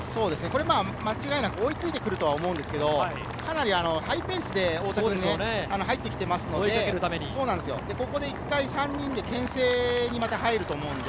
間違いなく追いついてくると思うんですけれど、かなりハイペースで太田君は入ってきていますので、ここで１回３人で牽制に入ると思うので。